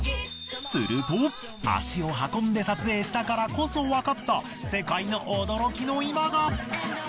すると足を運んで撮影したからこそわかった世界の驚きの今が！